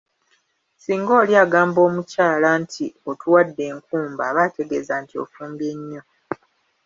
Singa oli agamba omukyala nti ‘otuwadde enkumba’ aba ategeeza nti ofumbye nnyo.